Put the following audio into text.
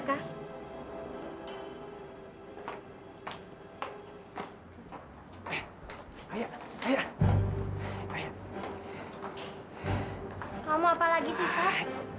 kamu apa lagi sih sab